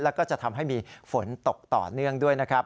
แล้วก็จะทำให้มีฝนตกต่อเนื่องด้วยนะครับ